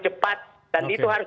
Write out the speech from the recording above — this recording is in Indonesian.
cepat dan itu harus